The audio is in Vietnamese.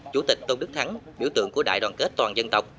chủ tịch tôn đức thắng biểu tượng của đại đoàn kết toàn dân tộc